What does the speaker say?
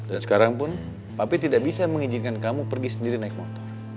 dan sekarang pun papi tidak bisa mengizinkan kamu pergi sendiri naik motor